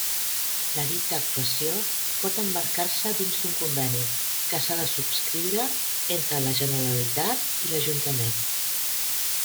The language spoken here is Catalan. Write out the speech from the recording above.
La dita actuació pot emmarcar-se dins d'un conveni que s'ha de subscriure entre la Generalitat i l'Ajuntament.